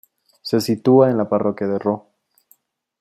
Se sitúa en la parroquia de Roo.